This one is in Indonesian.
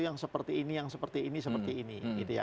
yang seperti ini yang seperti ini seperti ini